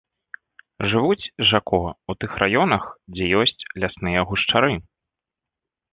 Жывуць жако ў тых раёнах, дзе ёсць лясныя гушчары.